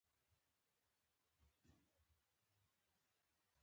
افغان ولس بډای کلتور لري چې له ډېرو غوره دودونو برخمن دی.